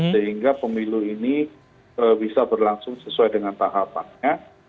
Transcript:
sehingga pemilu ini bisa berlangsung sesuai dengan tahapannya